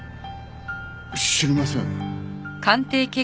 知りません。